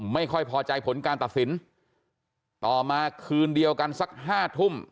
ไม่ค่อยพอใจผลการตัดสินต่อมาคืนเดียวกันสักห้าทุ่ม